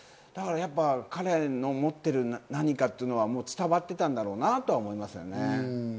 彼の持っている何かっていうのは伝わってたんだろうなと思いますね。